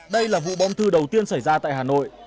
đây là vụ bom thư đầu tiên xảy ra tại hà nội